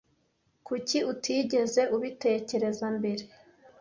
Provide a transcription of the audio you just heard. Kuki utigeze ubitekereza mbere?